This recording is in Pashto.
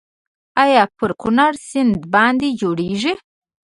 آیا پر کنړ سیند بند جوړیږي؟